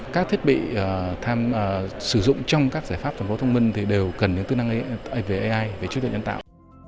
các thiết bị sử dụng trong các giải pháp thành phố thông minh thì đều cần những tư năng về ai về trí tuệ nhân tạo